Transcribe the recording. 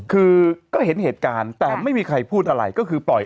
คือก็เห็นเหตุการณ์แต่ไม่มีใครพูดอะไรก็คือปล่อย